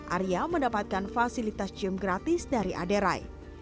arya mendapatkan fasilitas gym gratis dari aderai